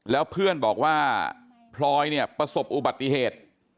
แล้วเพื่อนบอกว่าพลอยเนี่ยประสบอุบัติเหตุ